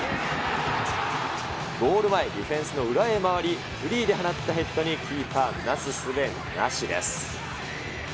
ゴール前、ディフェンスの裏へ回り、フリーで放ったヘッドにキーパーなすすべなしです。